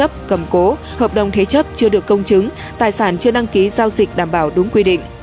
hợp đồng thuế trấp cầm cố hợp đồng thuế trấp chưa được công chứng tài sản chưa đăng ký giao dịch đảm bảo đúng quy định